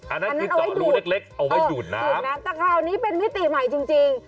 อันนั้นเอาไว้ดูดนะครับแต่คราวนี้เป็นมิติใหม่จริง